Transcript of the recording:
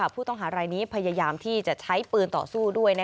ผู้ต้องหารายนี้พยายามที่จะใช้ปืนต่อสู้ด้วย